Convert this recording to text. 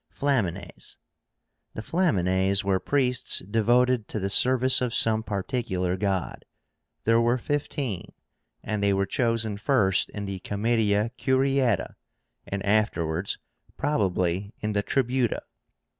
FLAMINES. The FLAMINES were priests devoted to the service of some particular god. There were fifteen, and they were chosen first in the Comitia Curiáta, and afterwards probably in the Tributa.